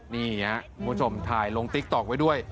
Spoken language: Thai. นี่ครับคุณผู้ชมถ่ายลงติ๊กต๊อกไว้ด้วย